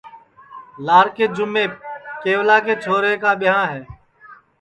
لاکے جُمیپ کیولا کے چھورے کا ٻہاں ہے